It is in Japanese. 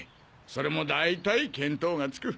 それも大体見当がつく。